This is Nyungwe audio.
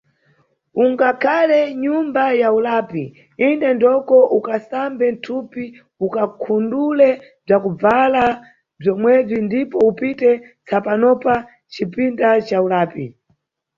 Ungakhale mnyumba ya ulapi, inde ndoko ukasambe mthupi ukakhundule bzakubvala bzomwebzi ndipo upite tsapanopa mcipinda ca ulapi.